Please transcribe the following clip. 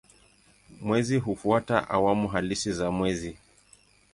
Mwezi hufuata awamu halisi za mwezi.